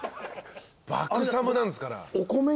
爆寒なんですから。